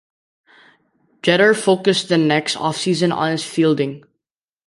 Jeter focused the next offseason on his fielding.